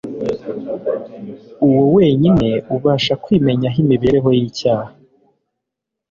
Uwo wenyine ubasha kwimenyaho imibereho y'icyaha,